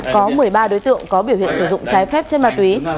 có một mươi ba đối tượng có biểu hiện sử dụng trái phép trên ma túy